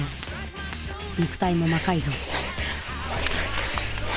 肉体も魔改造。